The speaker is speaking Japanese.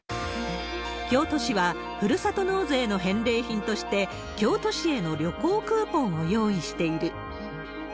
京都市は、ふるさと納税の返礼品として、京都市への旅行クーポンを用意している。